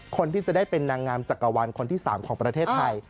คนที่จะได้เป็นนางงามจักรวาลคนที่๓ของประเทศไทย